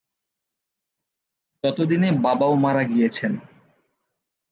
তত দিনে বাবাও মারা গিয়েছেন।